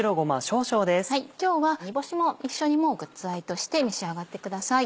今日は煮干しも一緒に具材として召し上がってください。